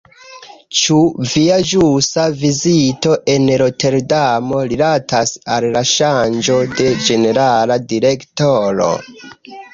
Ĉu via ĵusa vizito en Roterdamo rilatas al la ŝanĝo de ĝenerala direktoro?